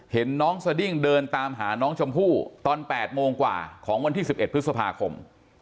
เห็นน้องสดิ้งเดินตามหาน้องชมพู่ตอน๘โมงกว่าของวันที่๑๑พฤษภาคม